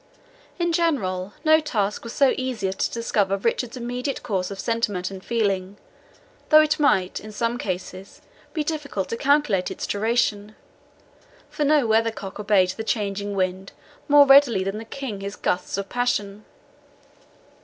In general, no task was so easy as to discover Richard's immediate course of sentiment and feeling, though it might, in some cases, be difficult to calculate its duration; for no weathercock obeyed the changing wind more readily than the King his gusts of passion.